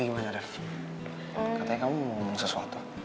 ini gimana dev katanya kamu mau ngomong sesuatu